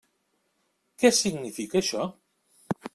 Què significa, això?